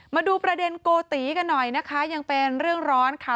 มาดูประเด็นโกติกันหน่อยนะคะยังเป็นเรื่องร้อนค่ะ